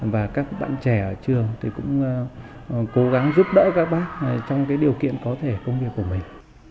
và các bạn trẻ ở trường thì cũng cố gắng giúp đỡ các bác trong điều kiện có thể công việc của mình